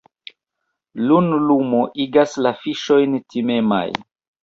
Lunlumo igas la fiŝojn timemaj.